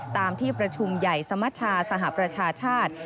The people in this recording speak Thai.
ตามที่ประชุมใหญ่สมชาสหประชาชาติ